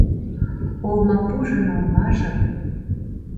Олмапужын олмажым